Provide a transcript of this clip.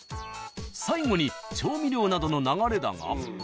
［最後に調味料などの流れだが］